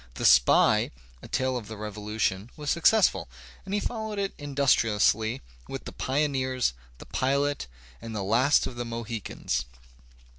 "The Spy," a tale of the Revolution, was successful, and he followed it industri ously with "The Pioneers," "The Pilot," "The Last of the Mohicans."